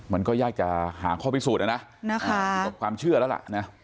มันก็ยากจะหาข้อพิสูจน์อ่ะน่ะนะคะความเชื่อแล้วล่ะน่ะ